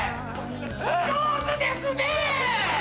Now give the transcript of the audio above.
上手ですね！